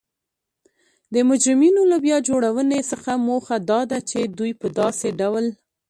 د مجرمینو له بیا جوړونې څخه موخه دا ده چی دوی په داسې ډول